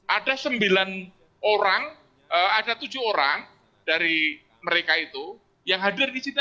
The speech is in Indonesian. ada sembilan orang ada tujuh orang dari mereka itu yang hadir di sini